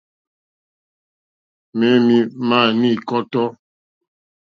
Mɛ̄ mì màá ní kɔ́tɔ́.